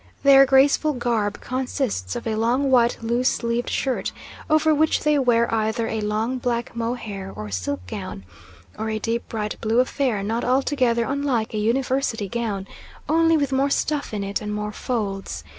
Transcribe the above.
Their graceful garb consists of a long white loose sleeved shirt, over which they wear either a long black mohair or silk gown, or a deep bright blue affair, not altogether unlike a University gown, only with more stuff in it and more folds.